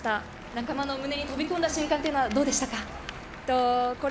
仲間が目に飛び込んだ瞬間はどうでしたか？